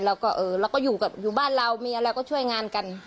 เราก็อยู่บ้านเรามีอะไรก็ช่วยงานกัน